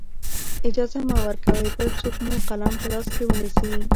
اجازه مه ورکوئ بل څوک مو قلم په لاس کې ونیسي.